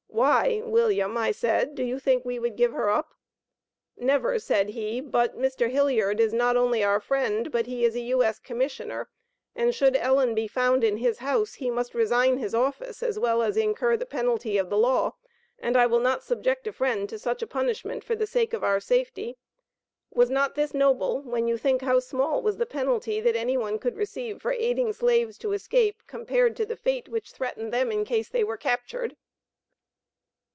'Why? William,' said I, 'do you think we would give her up?' 'Never,' said he, 'but Mr. Hilliard is not only our friend, but he is a U.S. Commissioner, and should Ellen be found in his house, he must resign his office, as well as incur the penalty of the law, and I will not subject a friend to such a punishment for the sake of our safety.' Was not this noble, when you think how small was the penalty that any one could receive for aiding slaves to escape, compared to the fate which threatened them in case they were captured?